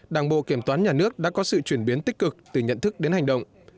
đảng bộ kiểm toán nhà nước đã có sự chuyển biến tích cực từ nhận thức đến hành động